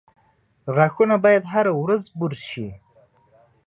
• غاښونه باید هره ورځ برس شي.